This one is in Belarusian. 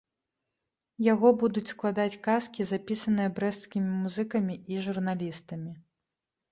Яго будуць складаць казкі, запісаныя брэсцкімі музыкамі і журналістамі.